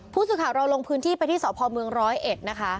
ผู้สื่อข่าวเรารงพื้นที่ไปที่สภเมือง๑๐๑นะคะ